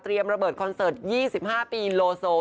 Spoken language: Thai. ระเบิดคอนเสิร์ต๒๕ปีโลโซ